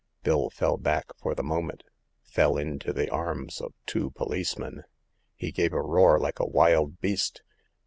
Bill fell back for the moment — fell into the arms of two policeman. He gave a roar like a wild beast.